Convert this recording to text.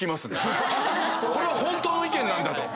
これはホントの意見なんだと。